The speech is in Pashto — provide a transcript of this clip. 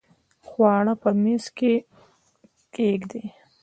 خواړه په میز کښېږدئ